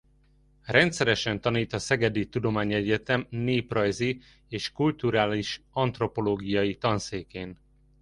Rendszeresen tanít a Szegedi Tudományegyetem Néprajzi és Kulturális Antropológiai Tanszékén.